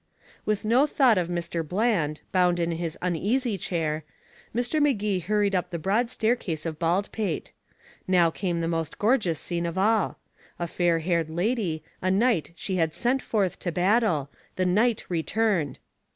With no thought for Mr. Bland, bound in his uneasy chair, Mr. Magee hurried up the broad staircase of Baldpate. Now came the most gorgeous scene of all. A fair haired lady; a knight she had sent forth to battle; the knight returned.